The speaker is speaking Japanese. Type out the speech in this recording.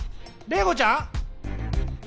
麗子ちゃん？